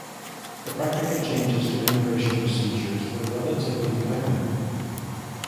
The practical changes to immigration procedures were relatively minor.